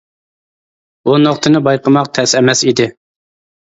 بۇ نۇقتىنى بايقىماق تەس ئەمەس ئىدى.